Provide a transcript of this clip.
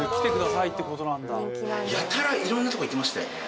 やたらいろんな所行っていましたよね。